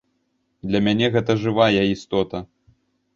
Для мяне гэта жывая істота.